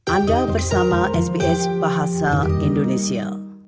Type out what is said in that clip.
anda bersama sbs bahasa indonesia